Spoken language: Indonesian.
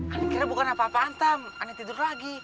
aneh kira bukan apa apaan tam aneh tidur lagi